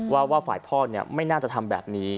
ว่าฝ่ายพ่อไม่น่าจะทำแบบนี้